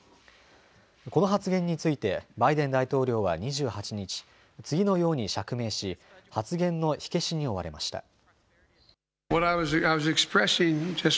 この発言についてバイデン大統領は２８日、次のように釈明し発言の火消しに追われました。